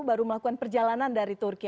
baru melakukan perjalanan dari turki